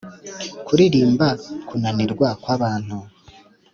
kuririmba kunanirwa kwabantu